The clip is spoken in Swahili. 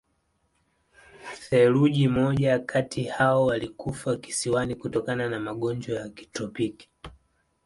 Theluji moja kati hao walikufa kisiwani kutokana na magonjwa ya kitropiki.